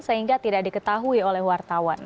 sehingga tidak diketahui oleh wartawan